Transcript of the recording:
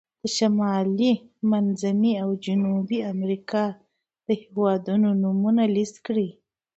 د شمالي، منځني او جنوبي امریکا د هېوادونو نومونه لیست کړئ.